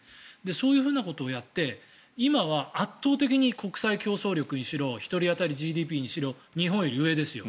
そういうことをやって今は圧倒的に国際競争力にしろ１人当たりのＧＤＰにしろ日本より上ですよ